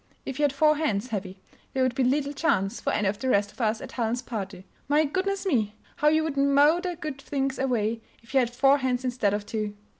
"If you had four hands, Heavy, there would be little chance for any of the rest of us at Helen's party. My goodness me! how you would mow the good things away if you had four hands instead of two."